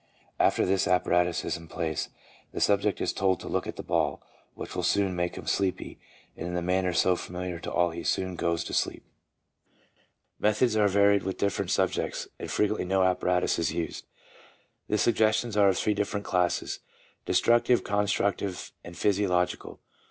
After this apparatus is in place, the subject is told to look at the ball, which will soon make him sleepy, and in the manner so familiar to all he soon goes to sleep. Methods are varied with different subjects, and frequently no apparatus is used. The sug gestions are of three different classes — destructive, constructive, and physiological.